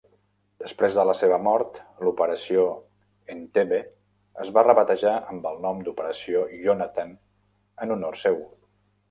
Després de la seva mort, l'operació Entebbe es va rebatejar amb el nom d'operació Yonatan en honor seu.